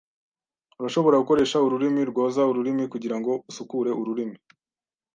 Urashobora gukoresha ururimi rwoza ururimi kugirango usukure ururimi.